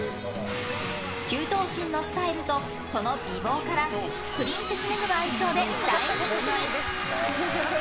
９頭身のスタイルとその美貌からプリンセス・メグの愛称で大人気に。